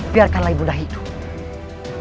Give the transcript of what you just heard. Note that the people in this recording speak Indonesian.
biarkanlah ibunda hidup